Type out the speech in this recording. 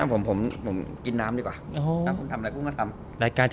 ผมกินน้ำดีกว่าถ้าคุณทำอะไรก็ทำ